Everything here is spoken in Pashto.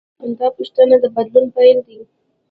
دا پوښتنه د بدلون پیل دی.